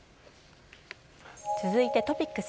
続いてトピックス。